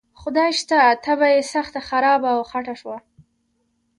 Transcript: خدای شته طبعه یې سخته خرابه او خټه شوه.